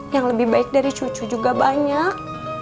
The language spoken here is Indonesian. yang lebih baik dari cucu juga banyak